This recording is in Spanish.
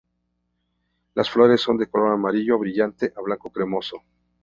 Las flores son de color amarillo brillante a blanco cremoso.